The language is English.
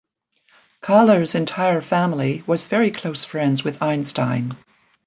Kahler's entire family was very close friends with Einstein.